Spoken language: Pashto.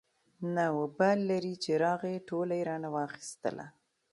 نه وبال لري چې راغی ټوله يې رانه واخېستله.